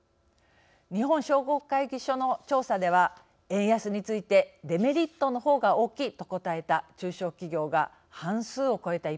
日本商工会議所の調査では円安について「デメリットの方が大きい」と答えた中小企業が半数を超えた